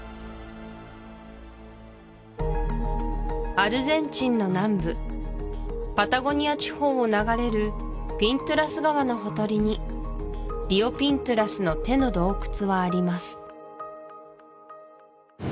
アルゼンチンの南部パタゴニア地方を流れるピントゥラス川のほとりにリオ・ピントゥラスの手の洞窟はあります